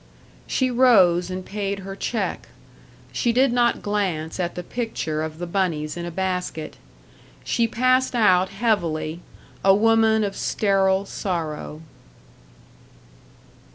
She rose and paid her check. She did not glance at the picture of the bunnies in a basket. She passed out heavily, a woman of sterile sorrow.